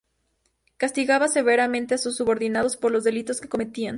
Castigaba severamente a sus subordinados por los delitos que cometían.